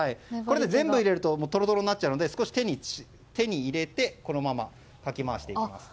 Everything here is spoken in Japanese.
全部入れるととろとろになっちゃうので少し手に入れて、そのままかき回していきます。